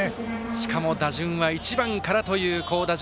しかも打順は１番からという好打順。